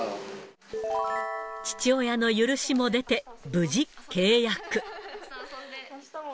父親の許しも出て、無事契約。